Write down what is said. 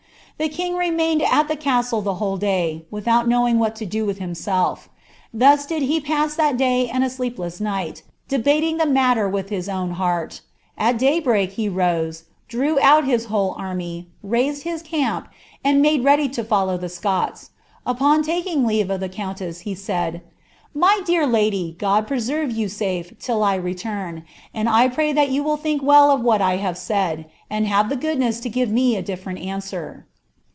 The king remained at the casile the whole day, wittiout knowing wItBt (o do with himself. Thus did he pass tlial day and a sleepless ni^ht, drbnting the iDBtter with his otvn heart At iJaybreak he rose, dnw out his whole army, raised his camp, and made ready to follow llie Scots. Upon taking leave of the countess, he said, 'My dear lady, God preserve you safe till t retuin, and 1 pray that rou will think well of what 1 have said, and have the goodness to give me ■ diflereni answer.'